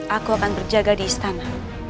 aku akan berjaga di istana